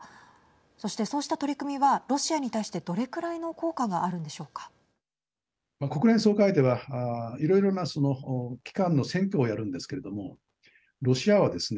そして、そうした取り組みはロシアに対してどれくらいの効果が国連総会ではいろいろなその機関の選挙をやるんですけれどもロシアはですね